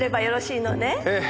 ええ。